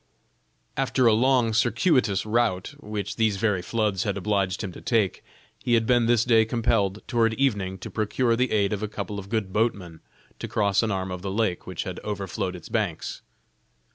After a long, circuitous route, which these very floods had obliged him to take, he had been this day compelled, toward evening, to procure the aid of a couple of good boatmen to cross an arm of the lake, which had overflowed its banks.